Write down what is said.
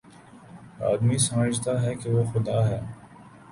آدمی سمجھتا ہے کہ وہ خدا ہے